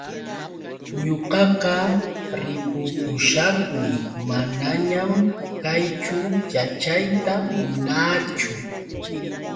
Ñuqaqa ripukushaqmi, manañan kayćhu yaćhayta munaachu.